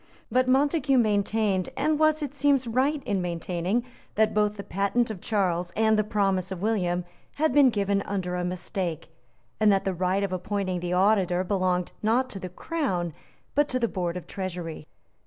But Montague maintained, and was, it seems, right in maintaining, that both the patent of Charles and the promise of William had been given under a mistake, and that the right of appointing the Auditor belonged, not to the Crown, but to the Board of Treasury.